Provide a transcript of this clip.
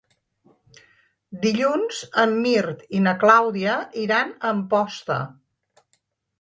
Dilluns en Mirt i na Clàudia iran a Amposta.